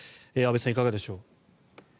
安部さん、いかがでしょう。